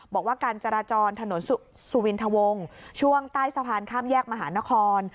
บอกว่าการจราจรถนนสุวินทวงช่วงใต้สะพานข้ามแยกมหานคร